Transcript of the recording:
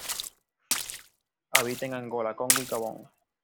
Habita en Angola, Congo y Gabón.